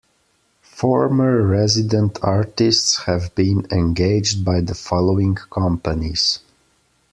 Former resident artists have been engaged by the following companies.